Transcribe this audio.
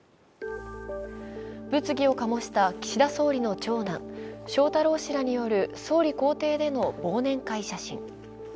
物議を醸した岸田総理の長男、翔太郎氏らによる総理公邸での忘年会写真。